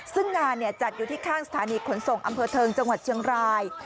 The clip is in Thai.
ซึ่งงานจัดอยู่ที่ข้างสถานีขนส่งอำเภอเทิงจังหวัดเชียงราย